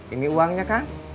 ini uangnya kang